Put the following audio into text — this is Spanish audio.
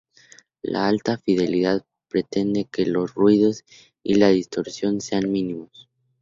La alta fidelidad pretende que los ruidos y la distorsión sean mínimos.